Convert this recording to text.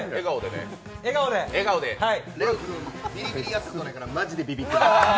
ＬＥＯ君、ビリビリやったことないからマジでビビってる。